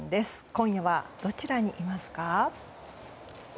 今夜はどちらにいますか？